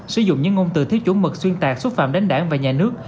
sử dụng những ngôn từ thiết chủ mực xuyên tạc xúc phạm đến đảng và nhà nước